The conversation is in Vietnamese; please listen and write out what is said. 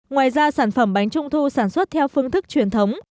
ngoài ra sản phẩm bánh trung thu sản xuất theo phương thức truyền thống